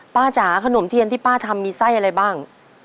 จ๋าขนมเทียนที่ป้าทำมีไส้อะไรบ้าง